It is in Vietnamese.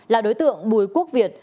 là đối tượng bùi quốc việt